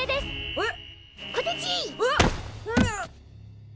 えっ？